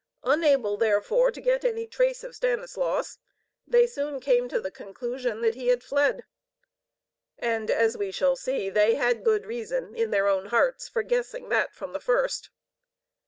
Unable therefore to get any trace of Stanislaus, they soon came to the conclusion that he had fled. And, as we shall see, they had good reason in their own hearts for guessing that from the first.